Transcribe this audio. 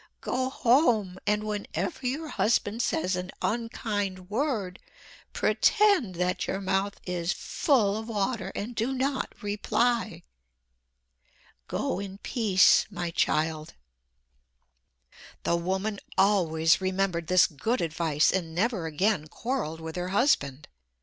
Go home, and whenever your husband says an unkind word pretend that your mouth is full of water and do not reply. Go in peace, my child." The woman always remembered this good advice and never again quarreled with her husband.